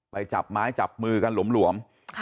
จับไม้จับมือกันหลวม